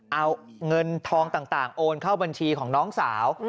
เอาเงินทองต่างโอนเข้าบัญชีของน้องสาว